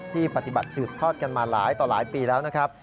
ที่ปฏิบัติสืบทอดกันมาหลายต่อหลายปีแล้วนะครับ